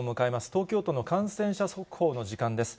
東京都の感染者速報の時間です。